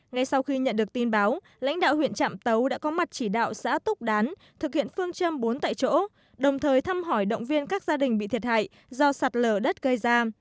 ngay sau khi nhận được tin báo lãnh đạo huyện trạm tấu đã có mặt chỉ đạo xã túc đán thực hiện phương châm bốn tại chỗ đồng thời thăm hỏi động viên các gia đình bị thiệt hại do sạt lở đất gây ra